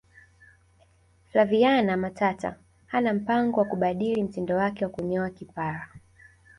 flaviana matata hana mpango wa kubadili mtindo wake wa kunyoa kipara